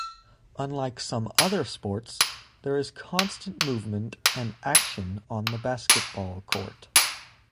Unlike some other sports, there is constant movement and action on the basketball court.